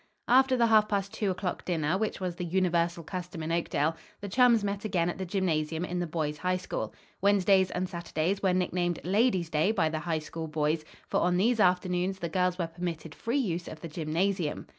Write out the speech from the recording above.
After the half past two o'clock dinner, which was the universal custom in Oakdale, the chums met again at the gymnasium in the Boys' High School. Wednesdays and Saturdays were nicknamed "ladies' days" by the High School boys, for on these afternoons the girls were permitted free use of the gymnasium.